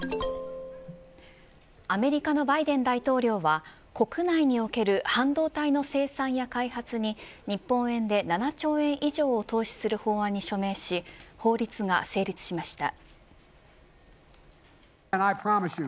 アメリカのバイデン大統領は国内における半導体の生産や開発に日本円で７兆円以上を投資する法案に署名し法律が成立しました。